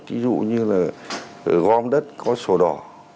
ví dụ như là gom đất có sổ đỏ